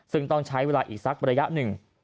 ซึ่งต้องใช้เวลาอีกสักระยะหนึ่ง